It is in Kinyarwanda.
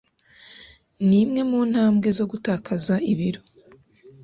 ni imwe mu ntambwe zo gutakaza ibiro